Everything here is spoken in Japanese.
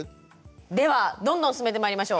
ではどんどん進めてまいりましょう。